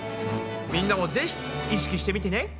みんなもぜひ意識してみてね。